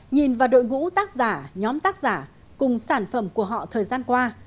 nhìn vào đội ngũ tác giả nhóm tác giả cùng sản phẩm của họ thời gian qua